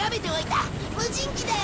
無人機だよ！